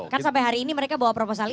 kan sampai hari ini mereka bawa proposal itu